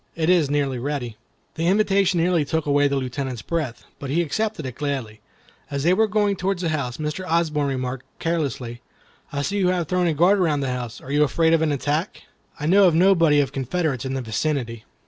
It is nearly ready." The invitation nearly took away the Lieutenant's breath, but he accepted it gladly. As they were going toward the house, Mr. Osborne remarked, carelessly, "I see you have thrown a guard around the house. Are you afraid of an attack? I know of no body of Confederates in the vicinity."